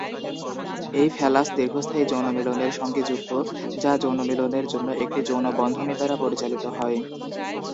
এই ফ্যালাস দীর্ঘস্থায়ী যৌনমিলনের সঙ্গে যুক্ত, যা যৌনমিলনের জন্য একটি যৌনবন্ধনী দ্বারা পরিচালিত হয়।